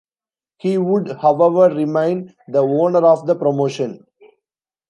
He would, however, remain the owner of the promotion.